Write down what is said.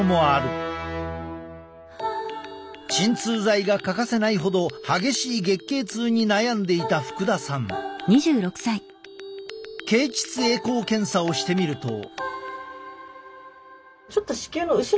鎮痛剤が欠かせないほど激しい月経痛に悩んでいた経ちつエコー検査をしてみると。